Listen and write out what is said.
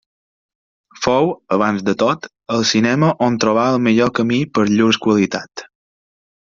Fou, avanç de tot, en el cinema on trobà el millor camí per llurs qualitats.